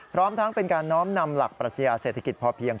พร้อมทั้งเป็นการน้อมนำหลักปรัชญาเศรษฐกิจพอเพียง